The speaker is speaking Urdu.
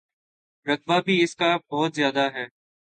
رقبہ بھی اس کا بہت زیادہ ہے۔